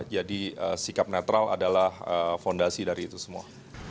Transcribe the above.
jadi sikap netral adalah fondasi dari itu semua